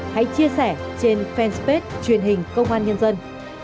hãy chia sẻ trên fan space truyền hình công an nhân dân